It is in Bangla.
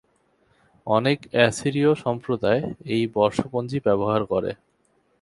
অনেক অ্যাসিরীয় সম্প্রদায় এই বর্ষপঞ্জি ব্যবহার করে।